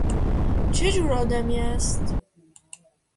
چه جور آدمی است؟